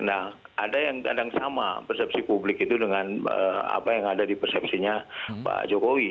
nah ada yang kadang sama persepsi publik itu dengan apa yang ada di persepsinya pak jokowi